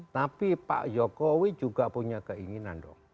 tapi pak jokowi juga punya keinginan dong